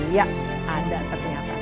ya ada ternyata